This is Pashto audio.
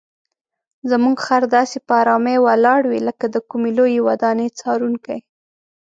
زموږ خر داسې په آرامۍ ولاړ وي لکه د کومې لویې ودانۍ څارونکی.